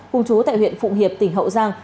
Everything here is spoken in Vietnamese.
cùng chú tại huyện phụ hiệp tỉnh hậu giang